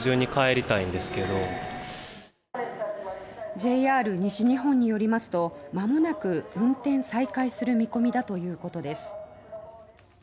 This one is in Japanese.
ＪＲ西日本によりますとまもなく運転再開する見込みだということです。